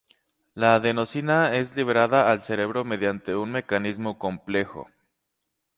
La adenosina es liberada al cerebro mediante un mecanismo complejo.